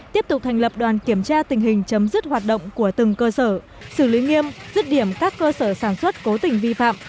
tiếp tục thành lập đoàn kiểm tra tình hình chấm dứt hoạt động của từng cơ sở xử lý nghiêm dứt điểm các cơ sở sản xuất cố tình vi phạm